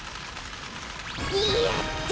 やった！